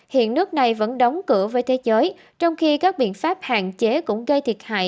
hiện nước này vẫn đóng cửa với thế giới trong khi các biện pháp hạn chế cũng gây thiệt hại